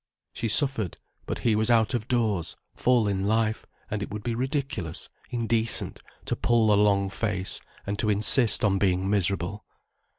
She suffered, but he was out of doors, full in life, and it would be ridiculous, indecent, to pull a long face and to insist on being miserable.